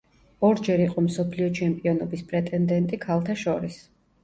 ორჯერ იყო მსოფლიო ჩემპიონობის პრეტენდენტი ქალთა შორის.